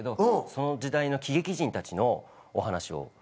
その時代の喜劇人たちのお話を。